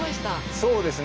そうですね